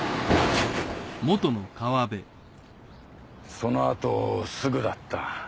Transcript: そのあとすぐだった。